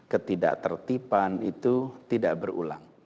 ketidak tertipan itu tidak berulang